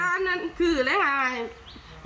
เบี้ยนั่นคือเลยครับ